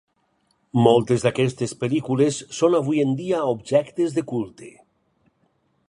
Moltes d'aquestes pel·lícules són avui en dia objectes de culte.